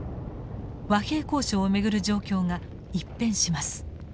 和平交渉を巡る状況が一変します。